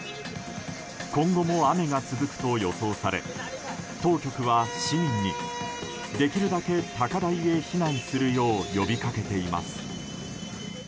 今後も雨が続くと予想され当局は、市民にできるだけ高台へ避難するよう呼び掛けています。